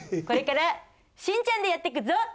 これからしんちゃんでやっていくゾ。